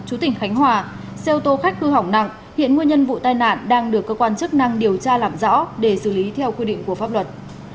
chú tỉnh khánh hòa xe ô tô khách hư hỏng nặng hiện nguyên nhân vụ tai nạn đang được cơ quan chức năng điều tra làm rõ để xử lý theo quy định của pháp luật